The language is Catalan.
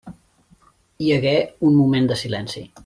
Hi hagué un moment de silenci.